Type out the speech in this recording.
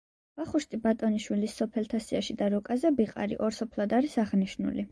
ვახუშტი ბატონიშვილის სოფელთა სიაში და რუკაზე ბიყარი ორ სოფლად არის აღნიშნული.